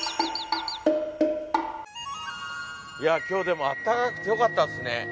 今日でもあったかくてよかったですね。